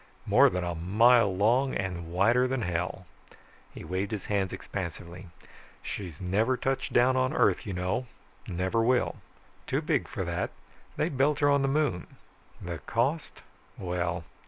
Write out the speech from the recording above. "More than a mile long, and wider than hell." He waved his hands expansively. "She's never touched down on Earth, you know. Never will. Too big for that. They built her on the moon. The cost? Well